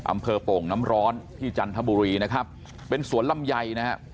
อำเภอโป่งน้ำร้อนที่จัณฑบุรีเป็นสวนลำไย